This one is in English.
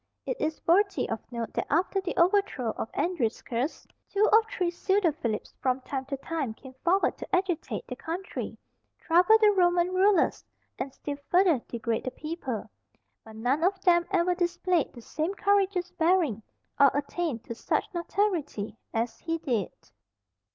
It is worthy of note that after the overthrow of Andriscus, two or three pseudo Philips from time to time came forward to agitate the country, trouble the Roman rulers, and still further degrade the people; but none of them ever displayed the same courageous bearing, or attained to such notoriety as he did.